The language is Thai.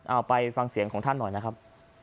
เอาไปฟังเสียงของท่านหน่อยนะครับ